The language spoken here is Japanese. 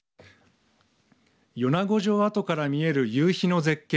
米子城跡から見える夕日の絶景